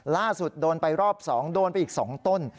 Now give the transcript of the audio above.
ล่าสุดโดนไปรอบ๒โดนไปอีก๒ต้น